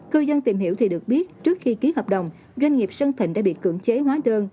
cư dân tìm hiểu thì được biết trước khi ký hợp đồng doanh nghiệp sơn thịnh đã bị cưỡng chế hóa đơn